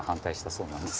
そうなんです。